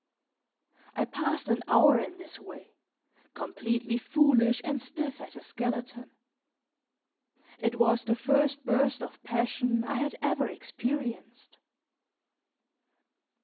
I passed an hour in this way, completely foolish and stiff as a skeleton. It was the first burst of passion I had ever experienced.